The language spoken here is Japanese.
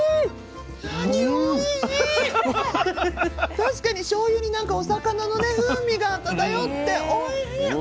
確かにしょうゆになんかお魚の風味が漂っておいしい。